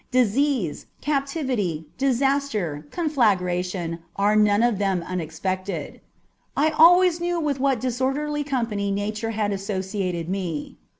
Disease, captivity, disaster, conflagration, are none of them unex pected : I always knew with what disorderly company CH. XI.] OF PEACE OF MIND. 275 Nature had associated me.